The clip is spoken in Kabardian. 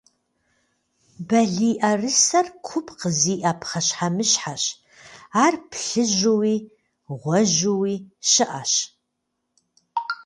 Балийӏэрысэр купкъ зиӏэ пхъэщхьэмыщхьэщ, ар плъыжьууи гъуэжьууи щыӏэщ.